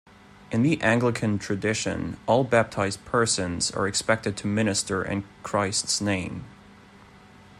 In the Anglican tradition, all baptized persons are expected to minister in Christ's name.